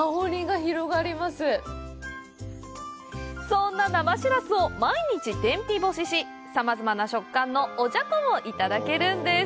そんな生しらすを毎日天日干ししさまざまな食感のおじゃこもいただけるんです。